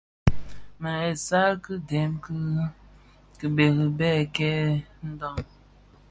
Më isal ki dèm dhi kibëri bè kèkèè ndhaň.